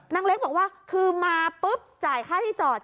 นางเล็กบอกว่าคือมาปุ๊บจ่ายค่าที่จอด